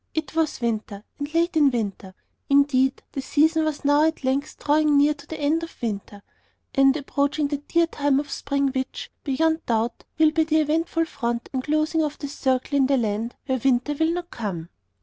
It was winter, and late in winter; indeed, the season was now at length drawing near to the end of winter, and approaching that dear time of spring which, beyond doubt, will be the eventful front and closing of the circle in the land where winter will not come.